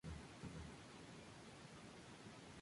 Urban creció en Turingia.